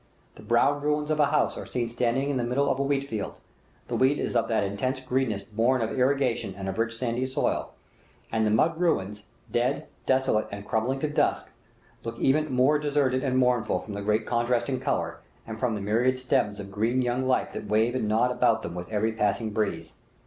The brown ruins of a house are seen standing in the middle of a wheat field; the wheat is of that intense greenness born of irrigation and a rich sandy soil, and the mud ruins, dead, desolate, and crumbling to dust, look even more deserted and mournful from the great contrast in color, and from the myriad stems of green young life that wave and nod about them with every passing breeze.